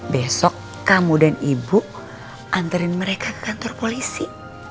besok kamu dan ibu antarin mereka ke kantor polisi